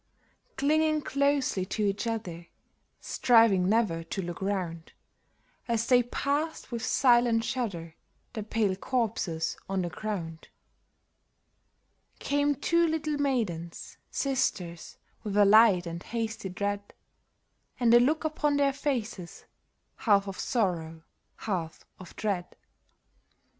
Clinging closely to each other, striving never to look round As they passed with silent shudder the pale corses on the ground, Came two little maidens — sisters — with a light and hasty tread, And a look upon their faces, half of sorrow, half of dread.